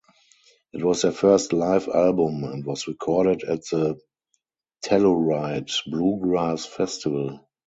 It was their first live album, and was recorded at the Telluride Bluegrass Festival.